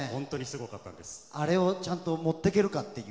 あれを、ちゃんと持っていけるかという。